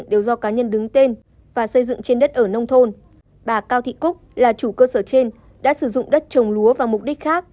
bà xây dựng trên đất ở nông thôn bà cao thị cúc là chủ cơ sở trên đã sử dụng đất trồng lúa và mục đích khác